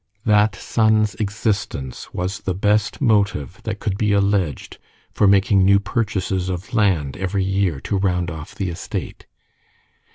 That son's existence was the best motive that could be alleged for making new purchases of land every year to round off the estate.